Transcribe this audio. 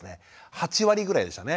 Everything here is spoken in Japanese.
８割ぐらいでしたね。